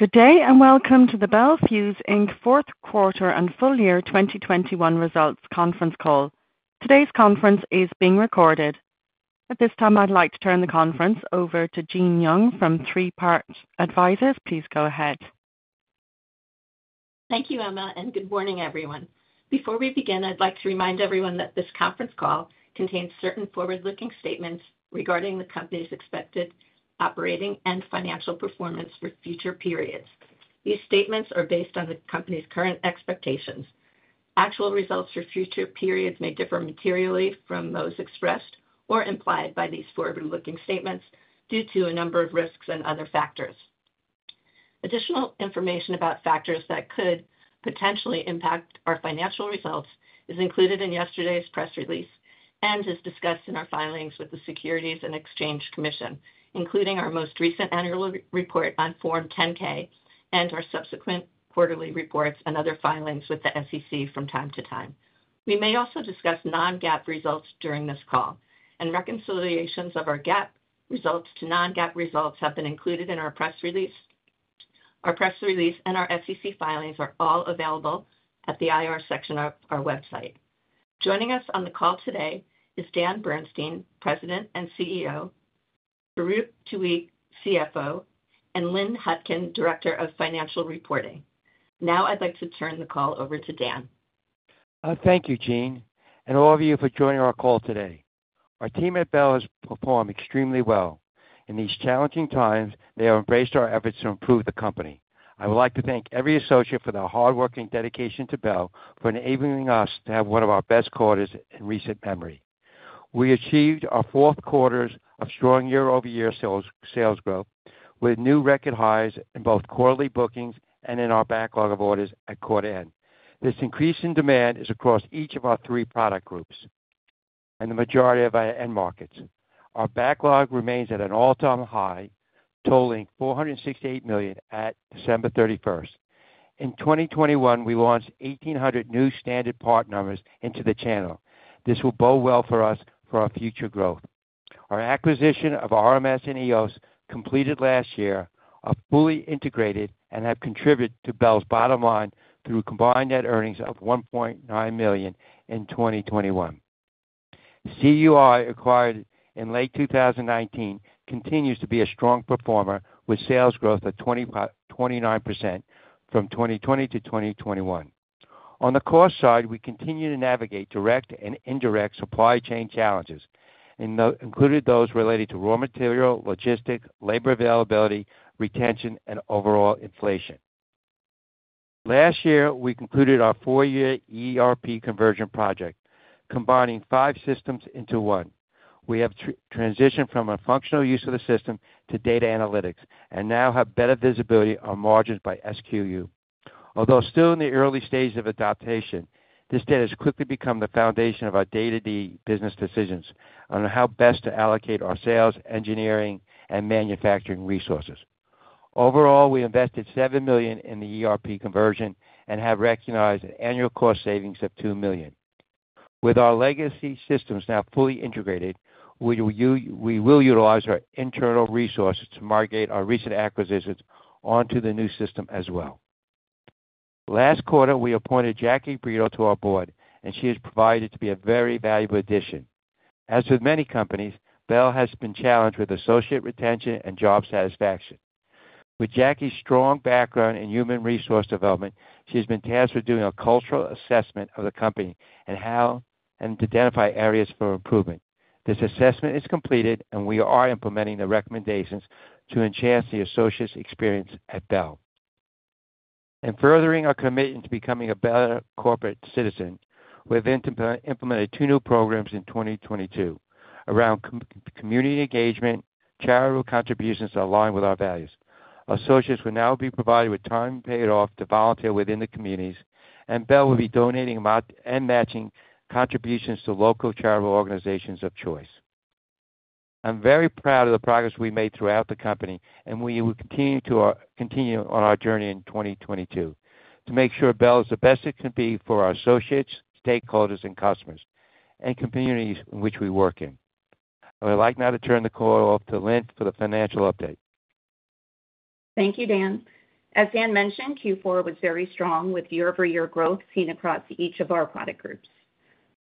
Good day, and welcome to the Bel Fuse Inc. fourth quarter and full year 2021 results Conference Call. Today's conference is being recorded. At this time, I'd like to turn the conference over to Jean Young from Three Part Advisors. Please go ahead. Thank you, Emma, and good morning, everyone. Before we begin, I'd like to remind everyone that this conference call contains certain forward-looking statements regarding the company's expected operating and financial performance for future periods. These statements are based on the company's current expectations. Actual results for future periods may differ materially from those expressed or implied by these forward-looking statements due to a number of risks and other factors. Additional information about factors that could potentially impact our financial results is included in yesterday's press release and is discussed in our filings with the Securities and Exchange Commission, including our most recent annual report on Form 10-K and our subsequent quarterly reports and other filings with the SEC from time to time. We may also discuss non-GAAP results during this call, and reconciliations of our GAAP results to non-GAAP results have been included in our press release. Our press release and our SEC filings are all available at the IR section of our website. Joining us on the call today is Dan Bernstein, President and CEO, Farouq Tuweiq, CFO, and Lynn Hutkin, Director of Financial Reporting. Now I'd like to turn the call over to Dan. Thank you, Jean, and all of you for joining our call today. Our team at Bel has performed extremely well. In these challenging times, they have embraced our efforts to improve the company. I would like to thank every associate for their hard work and dedication to Bel for enabling us to have one of our best quarters in recent memory. We achieved our fourth quarters of strong year-over-year sales growth, with new record highs in both quarterly bookings and in our backlog of orders at quarter end. This increase in demand is across each of our three product groups and the majority of our end markets. Our backlog remains at an all-time high, totaling $468 million at December 31st. In 2021, we launched 1,800 new standard part numbers into the channel. This will bode well for us for our future growth. Our acquisition of RMS and EOS, completed last year, are fully integrated and have contributed to Bel's bottom line through combined net earnings of $1.9 million in 2021. CUI acquired in late 2019 continues to be a strong performer with sales growth of 29% from 2020-2021. On the cost side, we continue to navigate direct and indirect supply chain challenges, including those related to raw material, logistics, labor availability, retention, and overall inflation. Last year, we concluded our four-year ERP conversion project, combining five systems into one. We have transitioned from a functional use of the system to data analytics and now have better visibility on margins by SKU. Although still in the early stages of adaptation, this data has quickly become the foundation of our day-to-day business decisions on how best to allocate our sales, engineering, and manufacturing resources. Overall, we invested $7 million in the ERP conversion and have recognized annual cost savings of $2 million. With our legacy systems now fully integrated, we will utilize our internal resources to migrate our recent acquisitions onto the new system as well. Last quarter, we appointed Jacqueline Brito to our board, and she has proved to be a very valuable addition. As with many companies, Bel has been challenged with associate retention and job satisfaction. With Jackie's strong background in human resource development, she has been tasked with doing a cultural assessment of the company and to identify areas for improvement. This assessment is completed, and we are implementing the recommendations to enhance the associates' experience at Bel. In furthering our commitment to becoming a better corporate citizen, we've implemented two new programs in 2022 around community engagement, charitable contributions aligned with our values. Associates will now be provided with time paid off to volunteer within the communities, and Bel will be donating and matching contributions to local charitable organizations of choice. I'm very proud of the progress we made throughout the company, and we will continue to continue on our journey in 2022 to make sure Bel is the best it can be for our associates, stakeholders and customers, and communities in which we work in. I would like now to turn the call over to Lynn for the financial update. Thank you, Dan. As Dan mentioned, Q4 was very strong with year-over-year growth seen across each of our product groups.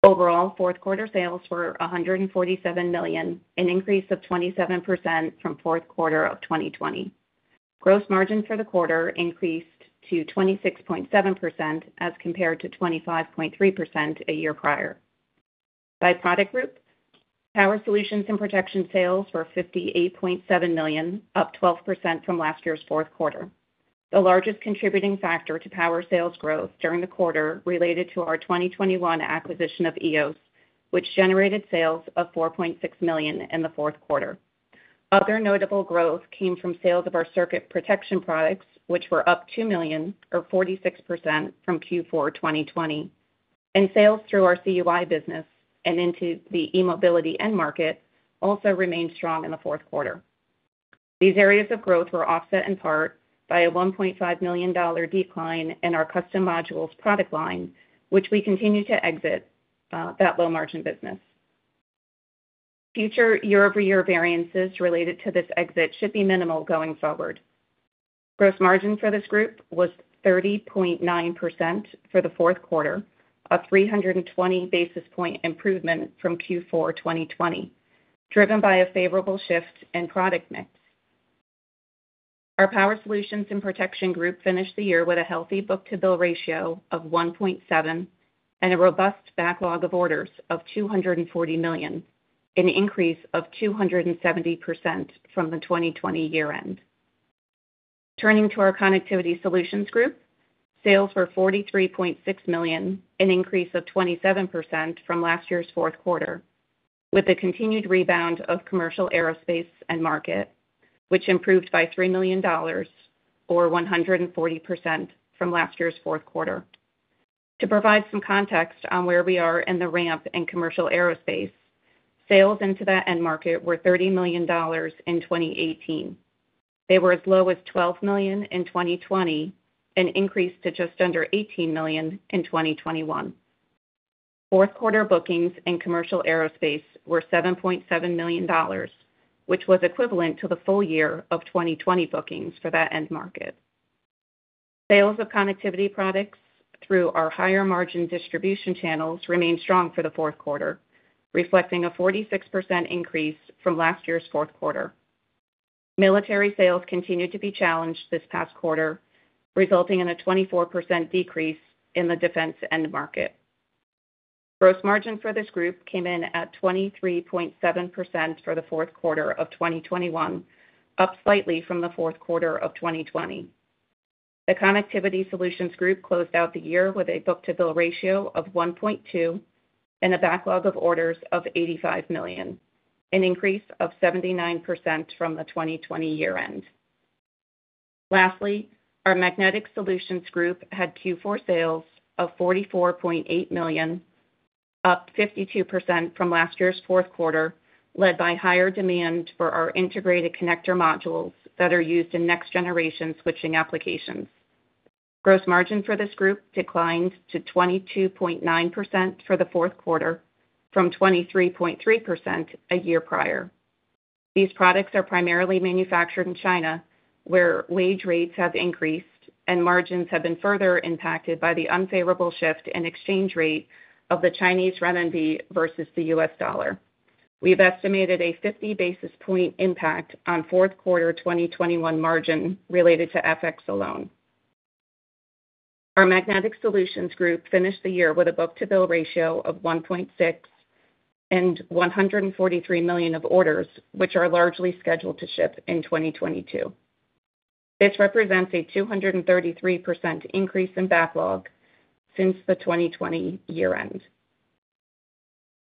Overall, fourth quarter sales were $147 million, an increase of 27% from fourth quarter of 2020. Gross margin for the quarter increased to 26.7% as compared to 25.3% a year prior. By product group, Power Solutions and Protection sales were $58.7 million, up 12% from last year's fourth quarter. The largest contributing factor to power sales growth during the quarter related to our 2021 acquisition of EOS, which generated sales of $4.6 million in the fourth quarter. Other notable growth came from sales of our circuit protection products, which were up $2 million or 46% from Q4 2020. Sales through our CUI business and into the eMobility end market also remained strong in the fourth quarter. These areas of growth were offset in part by a $1.5 million decline in our custom modules product line, which we continue to exit, that low margin business. Future year-over-year variances related to this exit should be minimal going forward. Gross margin for this group was 30.9% for the fourth quarter, a 320 basis point improvement from Q4 2020, driven by a favorable shift in product mix. Our Power Solutions and Protection group finished the year with a healthy book-to-bill ratio of 1.7 and a robust backlog of orders of $240 million, an increase of 270% from the 2020 year-end. Turning to our Connectivity Solutions group, sales were $43.6 million, an increase of 27% from last year's fourth quarter, with the continued rebound of commercial aerospace end market, which improved by $3 million or 140% from last year's fourth quarter. To provide some context on where we are in the ramp in commercial aerospace, sales into that end market were $30 million in 2018. They were as low as $12 million in 2020 and increased to just under $18 million in 2021. Fourth quarter bookings in commercial aerospace were $7.7 million, which was equivalent to the full year of 2020 bookings for that end market. Sales of connectivity products through our higher-margin distribution channels remained strong for the fourth quarter, reflecting a 46% increase from last year's fourth quarter. Military sales continued to be challenged this past quarter, resulting in a 24% decrease in the defense end market. Gross margin for this group came in at 23.7% for the fourth quarter of 2021, up slightly from the fourth quarter of 2020. The Connectivity Solutions group closed out the year with a book-to-bill ratio of 1.2 and a backlog of orders of $85 million, an increase of 79% from the 2020 year-end. Lastly, our Magnetic Solutions group had Q4 sales of $44.8 million, up 52% from last year's fourth quarter, led by higher demand for our integrated connector modules that are used in next-generation switching applications. Gross margin for this group declined to 22.9% for the fourth quarter from 23.3% a year prior. These products are primarily manufactured in China, where wage rates have increased and margins have been further impacted by the unfavorable shift in exchange rate of the Chinese renminbi versus the U.S. dollar. We've estimated a 50 basis points impact on fourth quarter 2021 margin related to FX alone. Our Magnetic Solutions group finished the year with a book-to-bill ratio of 1.6 and $143 million of orders, which are largely scheduled to ship in 2022. This represents a 233% increase in backlog since the 2020 year-end.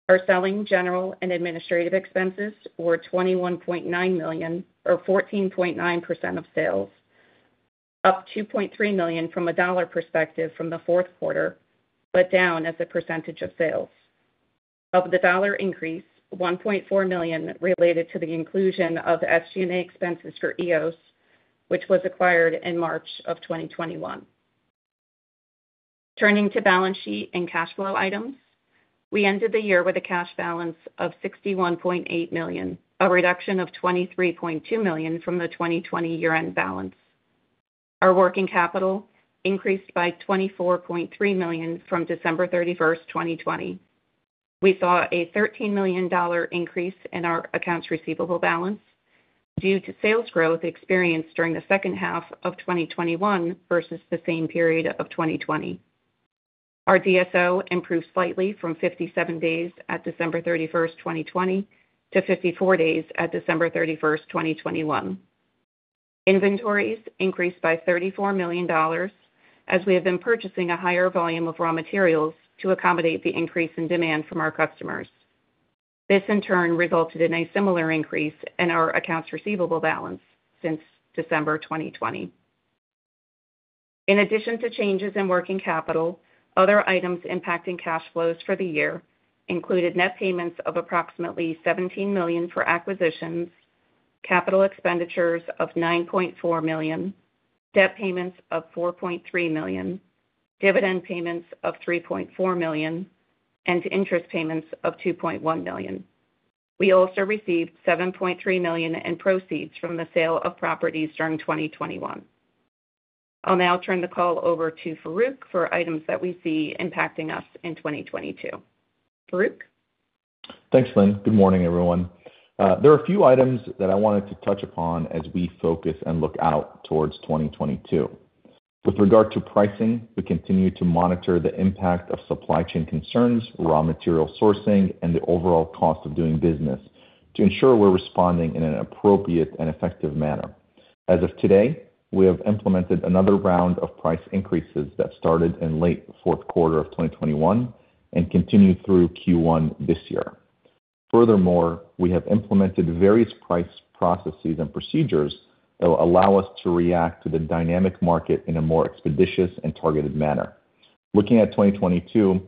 Our selling, general, and administrative expenses were $21.9 million or 14.9% of sales, up $2.3 million from a dollar perspective from the fourth quarter, but down as a percentage of sales. Of the dollar increase, $1.4 million related to the inclusion of SG&A expenses for EOS, which was acquired in March 2021. Turning to balance sheet and cash flow items, we ended the year with a cash balance of $61.8 million, a reduction of $23.2 million from the 2020 year-end balance. Our working capital increased by $24.3 million from December 31st, 2020. We saw a $13 million increase in our accounts receivable balance due to sales growth experienced during the second half of 2021 versus the same period of 2020. Our DSO improved slightly from 57 days at December 31st, 2020 to 54 days at December 31st, 2021. Inventories increased by $34 million as we have been purchasing a higher volume of raw materials to accommodate the increase in demand from our customers. This, in turn, resulted in a similar increase in our accounts receivable balance since December 2020. In addition to changes in working capital, other items impacting cash flows for the year included net payments of approximately $17 million for acquisitions, capital expenditures of $9.4 million, debt payments of $4.3 million, dividend payments of $3.4 million, and interest payments of $2.1 million. We also received $7.3 million in proceeds from the sale of properties during 2021. I'll now turn the call over to Farouq for items that we see impacting us in 2022. Farouq? Thanks, Lynn. Good morning, everyone. There are a few items that I wanted to touch upon as we focus and look out towards 2022. With regard to pricing, we continue to monitor the impact of supply chain concerns, raw material sourcing, and the overall cost of doing business to ensure we're responding in an appropriate and effective manner. As of today, we have implemented another round of price increases that started in late fourth quarter of 2021 and continue through Q1 this year. Furthermore, we have implemented various price processes and procedures that will allow us to react to the dynamic market in a more expeditious and targeted manner. Looking at 2022,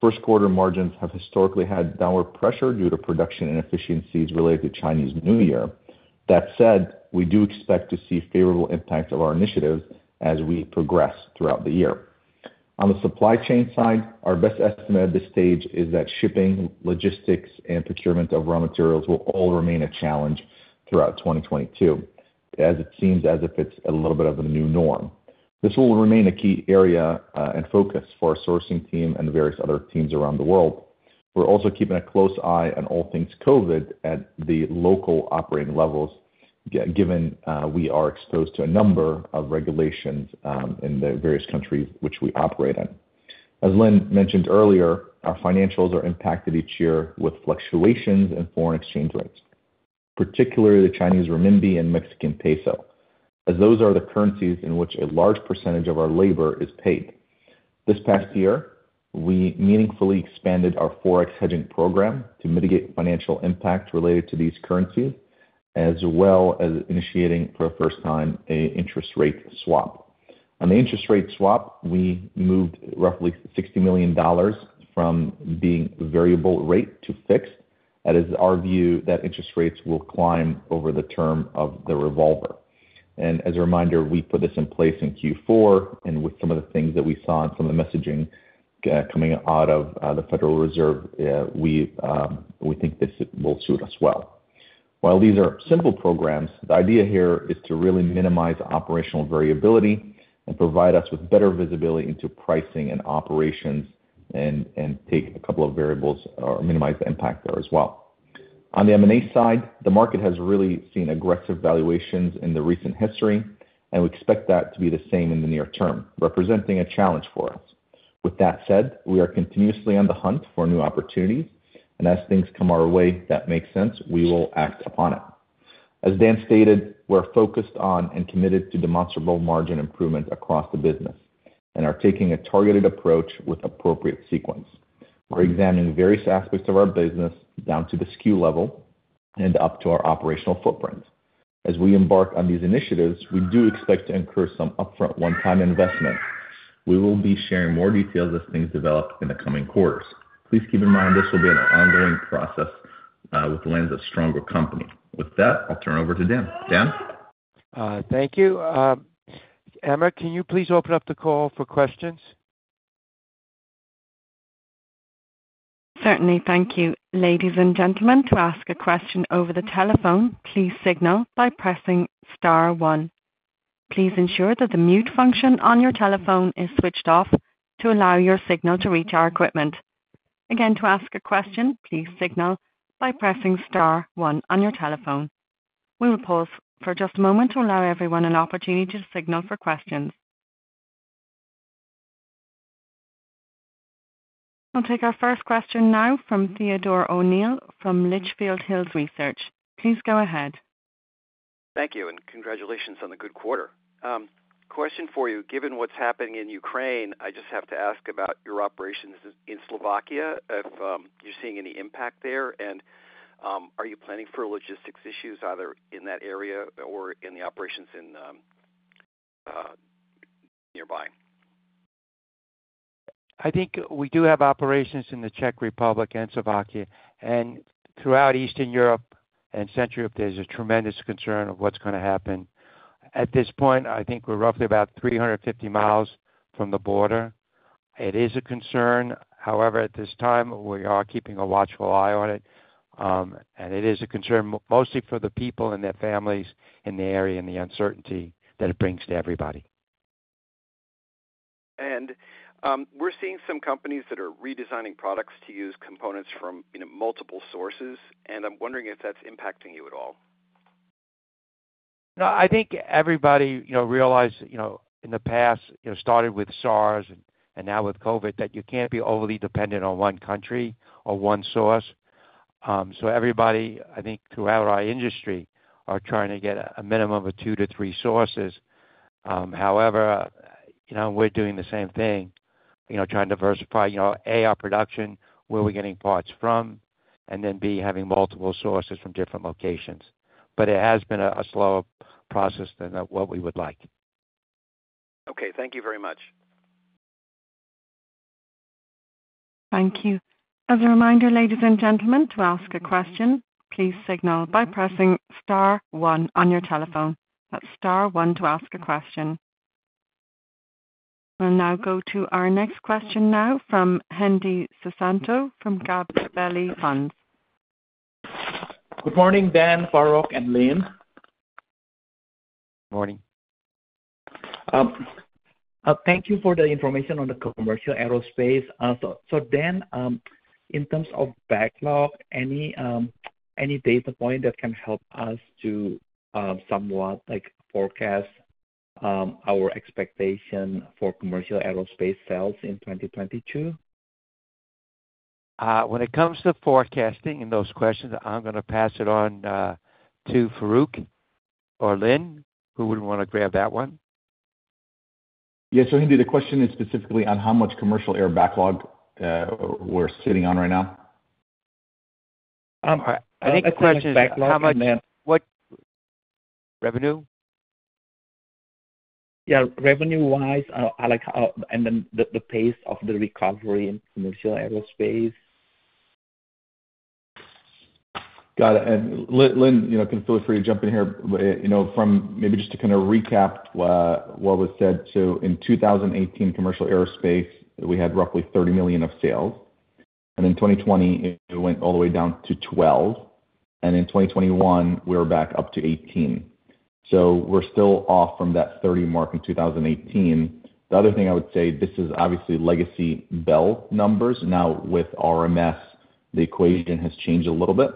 first quarter margins have historically had downward pressure due to production inefficiencies related to Chinese New Year. That said, we do expect to see favorable impacts of our initiatives as we progress throughout the year. On the supply chain side, our best estimate at this stage is that shipping, logistics, and procurement of raw materials will all remain a challenge throughout 2022, as it seems as if it's a little bit of a new norm. This will remain a key area and focus for our sourcing team and various other teams around the world. We're also keeping a close eye on all things COVID at the local operating levels given we are exposed to a number of regulations in the various countries which we operate in. As Lynn mentioned earlier, our financials are impacted each year with fluctuations in foreign exchange rates, particularly the Chinese renminbi and Mexican peso, as those are the currencies in which a large percentage of our labor is paid. This past year, we meaningfully expanded our forex hedging program to mitigate financial impact related to these currencies, as well as initiating for the first time an interest rate swap. On the interest rate swap, we moved roughly $60 million from being variable rate to fixed. That is our view that interest rates will climb over the term of the revolver. As a reminder, we put this in place in Q4, and with some of the things that we saw and some of the messaging coming out of the Federal Reserve, we think this will suit us well. While these are simple programs, the idea here is to really minimize operational variability and provide us with better visibility into pricing and operations and take a couple of variables or minimize the impact there as well. On the M&A side, the market has really seen aggressive valuations in the recent history, and we expect that to be the same in the near-term, representing a challenge for us. With that said, we are continuously on the hunt for new opportunities, and as things come our way that makes sense, we will act upon it. As Dan stated, we're focused on and committed to demonstrable margin improvement across the business and are taking a targeted approach with appropriate sequence. We're examining various aspects of our business down to the SKU level and up to our operational footprint. As we embark on these initiatives, we do expect to incur some upfront one-time investments. We will be sharing more details as things develop in the coming quarters. Please keep in mind this will be an ongoing process with plans for a stronger company. With that, I'll turn over to Dan. Dan? Thank you. Emma, can you please open up the call for questions? Certainly. Thank you. Ladies and gentlemen, to ask a question over the telephone, please signal by pressing star one. Please ensure that the mute function on your telephone is switched off to allow your signal to reach our equipment. Again, to ask a question, please signal by pressing star one on your telephone. We will pause for just a moment to allow everyone an opportunity to signal for questions. I'll take our first question now from Theodore O'Neill from Litchfield Hills Research. Please go ahead. Thank you, and congratulations on the good quarter. Question for you. Given what's happening in Ukraine, I just have to ask about your operations in Slovakia, if you're seeing any impact there. Are you planning for logistics issues either in that area or in the operations in nearby? I think we do have operations in the Czech Republic and Slovakia and throughout Eastern Europe and Central Europe. There's a tremendous concern of what's gonna happen. At this point, I think we're roughly about 350 miles from the border. It is a concern. However, at this time, we are keeping a watchful eye on it. And it is a concern mostly for the people and their families in the area and the uncertainty that it brings to everybody. We're seeing some companies that are redesigning products to use components from, you know, multiple sources, and I'm wondering if that's impacting you at all. No, I think everybody, you know, realized, you know, in the past, you know, started with SARS and now with COVID, that you can't be overly dependent on one country or one source. Everybody, I think throughout our industry are trying to get a minimum of two to three sources. However, you know, we're doing the same thing, you know, trying to diversify, you know, A, our production, where we're getting parts from, and then B, having multiple sources from different locations. It has been a slower process than what we would like. Okay, thank you very much. Thank you. As a reminder, ladies and gentlemen, to ask a question, please signal by pressing star one on your telephone. That's star one to ask a question. We'll now go to our next question now from Hendi Susanto from Gabelli Funds. Good morning, Dan, Farouq, and Lynn. Morning. Thank you for the information on the commercial aerospace. Dan, in terms of backlog, any data point that can help us to somewhat like forecast our expectation for commercial aerospace sales in 2022? When it comes to forecasting and those questions, I'm gonna pass it on to Farouq or Lynn, who would wanna grab that one. Yeah. Hendi, the question is specifically on how much commercial air backlog we're sitting on right now? I think the question is how much. Backlog and then. What revenue? Yeah. Revenue-wise, like, and then the pace of the recovery in commercial aerospace. Got it. Lynn, you know, feel free to jump in here, you know, from maybe just to kind of recap what was said. In 2018 commercial aerospace, we had roughly $30 million of sales. In 2020 it went all the way down to $12 million, and in 2021 we were back up to $18 million. We're still off from that $30 million mark in 2018. The other thing I would say, this is obviously legacy Bel numbers. Now with RMS, the equation has changed a little bit.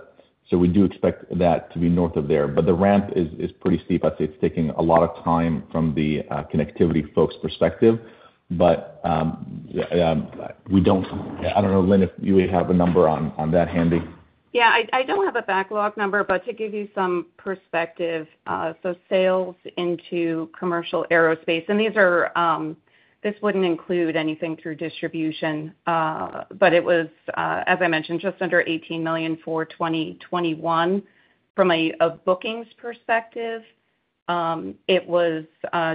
We do expect that to be north of there. The ramp is pretty steep. I'd say it's taking a lot of time from the connectivity folks perspective. We don't. I don't know, Lynn, if you would have a number on that handy. I don't have a backlog number, but to give you some perspective, sales into commercial aerospace, and these are, this wouldn't include anything through distribution, but it was, as I mentioned, just under $18 million for 2021. From a bookings perspective, it was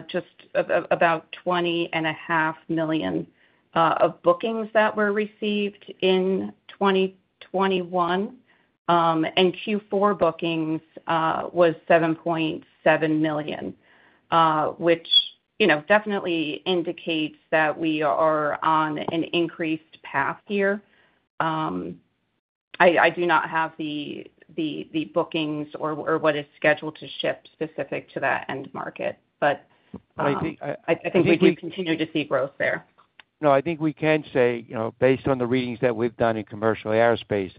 just about $20.5 million of bookings that were received in 2021. Q4 bookings was $7.7 million, which, you know, definitely indicates that we are on an increased path here. I do not have the bookings or what is scheduled to ship specific to that end market. I think we do continue to see growth there. No, I think we can say, you know, based on the readings that we've done in commercial aerospace,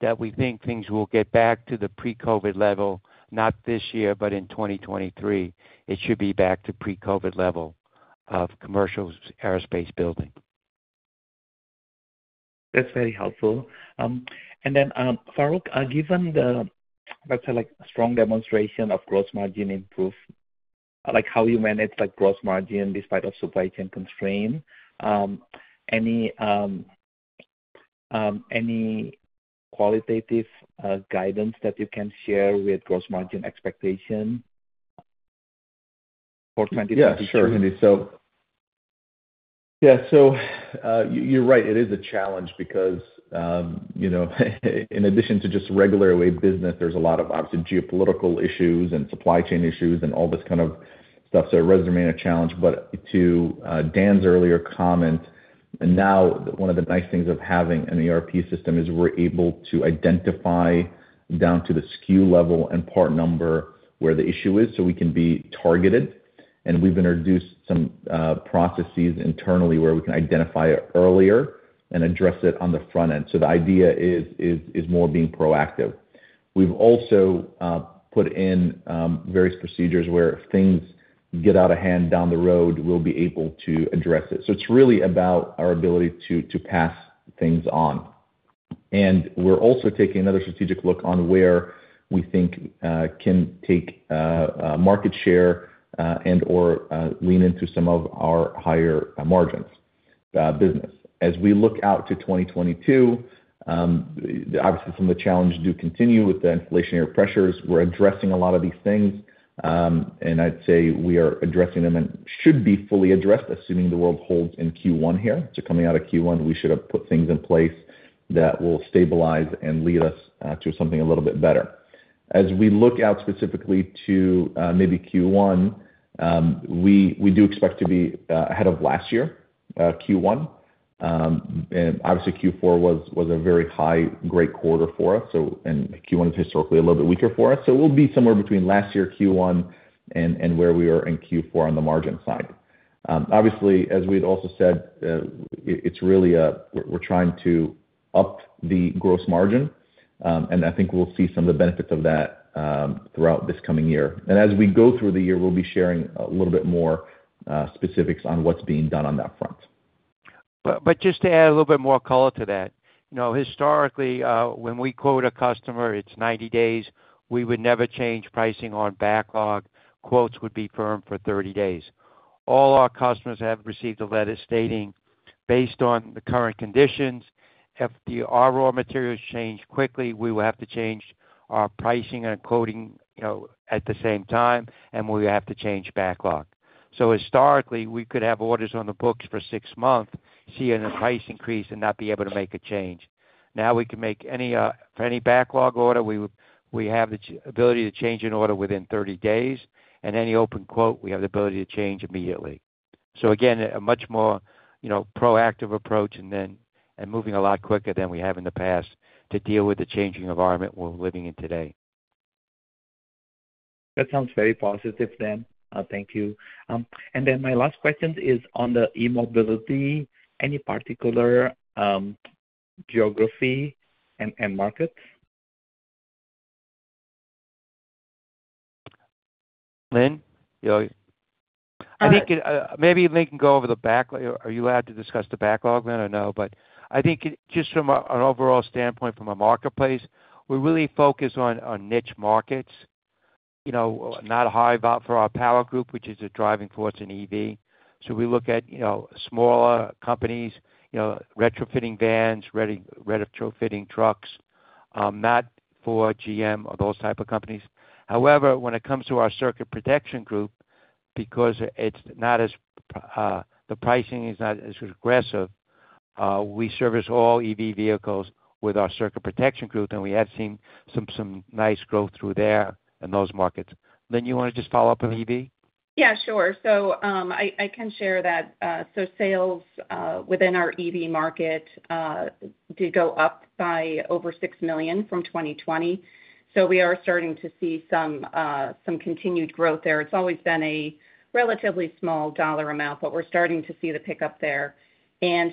that we think things will get back to the pre-COVID level, not this year, but in 2023 it should be back to pre-COVID level of commercial aerospace building. That's very helpful. Farouq, given the, let's say like strong demonstration of gross margin improvement, like how you manage like gross margin despite of supply chain constraint, any qualitative guidance that you can share with gross margin expectation for 2022? Yeah, sure, Henry. You're right, it is a challenge because, you know, in addition to just regular way business, there's a lot of obviously geopolitical issues and supply chain issues and all this kind of stuff, so it does remain a challenge. To Dan's earlier comment, now one of the nice things of having an ERP system is we're able to identify down to the SKU level and part number where the issue is so we can be targeted. We've introduced some processes internally where we can identify it earlier and address it on the front end. The idea is more being proactive. We've also put in various procedures where if things get out of hand down the road, we'll be able to address it. It's really about our ability to pass things on. We're also taking another strategic look on where we think we can take market share and/or lean into some of our higher-margin business. As we look out to 2022, obviously some of the challenges do continue with the inflationary pressures. We're addressing a lot of these things, and I'd say we are addressing them and should be fully addressed, assuming the world holds in Q1 here. Coming out of Q1, we should have put things in place that will stabilize and lead us to something a little bit better. As we look out specifically to maybe Q1, we do expect to be ahead of last year Q1. Obviously Q4 was a very high-growth quarter for us, and Q1 is historically a little bit weaker for us. We'll be somewhere between last year Q1 and where we were in Q4 on the margin side. Obviously, as we'd also said, we're trying to up the gross margin, and I think we'll see some of the benefits of that throughout this coming year. As we go through the year, we'll be sharing a little bit more specifics on what's being done on that front. Just to add a little bit more color to that. You know, historically, when we quote a customer, it's 90 days, we would never change pricing on backlog. Quotes would be firm for 30 days. All our customers have received a letter stating, based on the current conditions, if our raw materials change quickly, we will have to change our pricing and quoting, you know, at the same time, and we have to change backlog. Historically, we could have orders on the books for six months, see a price increase and not be able to make a change. Now we can make any for any backlog order, we have the ability to change an order within 30 days, and any open quote, we have the ability to change immediately. Again, a much more, you know, proactive approach and moving a lot quicker than we have in the past to deal with the changing environment we're living in today. That sounds very positive then. Thank you. My last question is on the eMobility. Any particular geography and markets? Lynn? You know. All right. I think maybe Lynn can go over the backlog. Are you allowed to discuss the backlog, Lynn, or no? I think just from an overall standpoint from a marketplace, we're really focused on niche markets, you know, not high vol for our power group, which is a driving force in EV. We look at, you know, smaller companies, you know, retrofitting vans, retrofitting trucks, not for GM or those type of companies. However, when it comes to our circuit protection group, because it's not as the pricing is not as aggressive, we service all EV vehicles with our circuit protection group, and we have seen some nice growth through there in those markets. Lynn, you wanna just follow up on EV? Yeah, sure. I can share that. Sales within our EV market did go up by over $6 million from 2020. We are starting to see some continued growth there. It's always been a relatively small dollar amount, but we're starting to see the pickup there.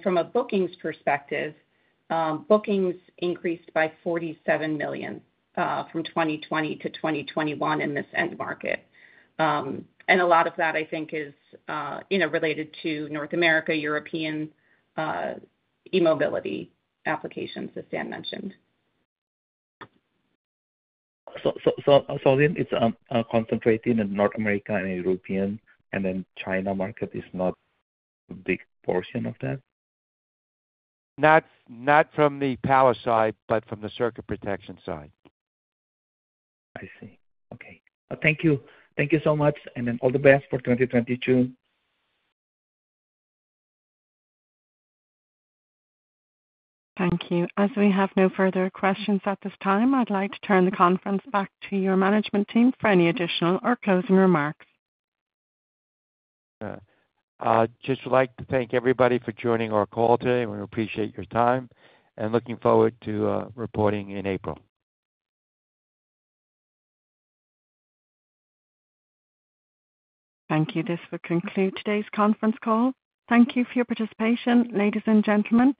From a bookings perspective, bookings increased by $47 million from 2020 to 2021 in this end market. And a lot of that, I think, is, you know, related to North America, European eMobility applications as Dan mentioned. It's concentrated in North America and Europe, and then China market is not a big portion of that? Not from the power side, but from the circuit protection side. I see. Okay. Thank you. Thank you so much, and then all the best for 2022. Thank you. As we have no further questions at this time, I'd like to turn the conference back to your management team for any additional or closing remarks. Yeah. I'd just like to thank everybody for joining our call today. We appreciate your time and looking forward to reporting in April. Thank you. This will conclude today's conference call. Thank you for your participation. Ladies and gentlemen,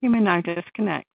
you may now disconnect.